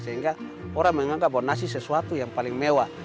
sehingga orang menganggap bahwa nasi sesuatu yang paling mewah